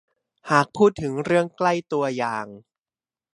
หากพูดถึงเรื่องใกล้ตัวอย่าง